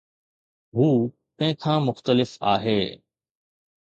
هو ڪنهن کان مختلف آهي